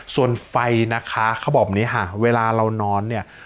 ส่วนไฟนะคะเขาบอกแบบนี้ค่ะเวลาเรานอนเนี่ย